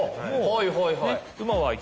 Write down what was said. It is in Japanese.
はいはいはい。